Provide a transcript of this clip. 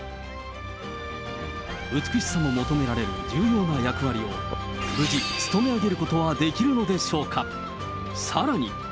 美しさも求められる重要な役割を無事、務め上げられることはできるのでしょうか。